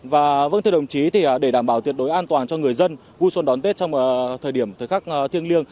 và vâng thưa đồng chí để đảm bảo tuyệt đối an toàn cho người dân vui xuân đón tết trong thời điểm thời khắc thiêng liêng